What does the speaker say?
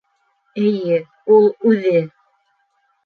Эйе, ул үҙе.